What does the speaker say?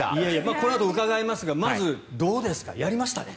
このあと伺いますがまずどうですか、やりましたね。